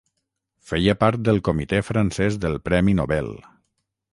Feia part del comitè francès del Premi Nobel.